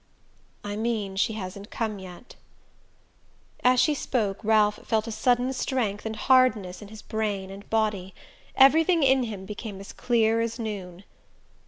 "I mean she hasn't come yet." As she spoke Ralph felt a sudden strength and hardness in his brain and body. Everything in him became as clear as noon.